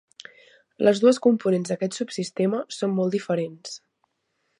Les dues components d'aquest subsistema són molt diferents.